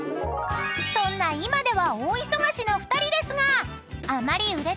［そんな今では大忙しの２人ですが］